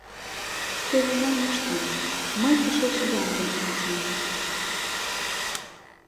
Теве мом ыштем: мый тышеч йоҥгым ончем...